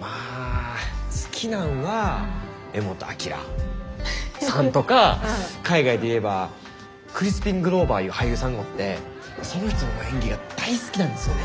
まあ好きなんは柄本明さんとか海外で言えばクリスピン・グローヴァーいう俳優さんがおってその人の演技が大好きなんですよね。